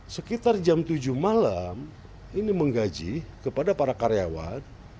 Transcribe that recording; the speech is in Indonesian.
sekitar jam tujuh malam ini menggaji kepada para karyawan